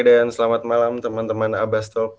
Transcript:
dan selamat malam teman teman abastok